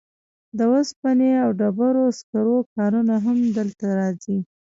د اوسپنې او ډبرو سکرو کانونه هم دلته راځي.